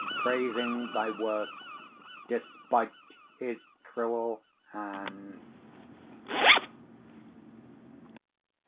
Praising thy worth, despite his cruel hand.